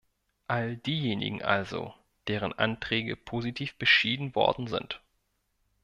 All diejenigen also, deren Anträge positiv beschieden worden sind.